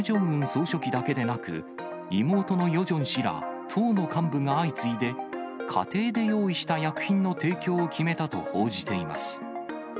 総書記だけでなく、妹のヨジョン氏ら党の幹部が相次いで、家庭で用意した薬品の提供を決めたと報じています。